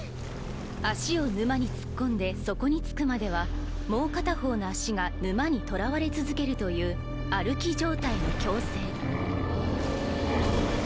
足を沼に突っ込んで底に着くまではもう片方の足が沼にとらわれ続けるという歩き状態の強制グオォー！